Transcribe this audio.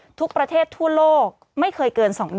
สิบเก้าชั่วโมงไปสิบเก้าชั่วโมงไป